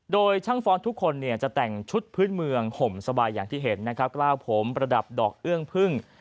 โดยช่างฟ้อนทุกคนเนี่ยจะแต่งชุดพื้นเมืองห่มสบายอย่างที่เห็นนะครับกล้าวผมประดับดอกเอื้องพึ่ง